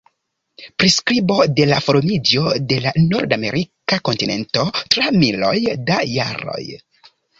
Priskribo de la formiĝo de la nordamerika kontinento tra miloj da jaroj.